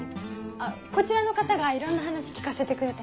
あっこちらの方がいろんな話聞かせてくれて。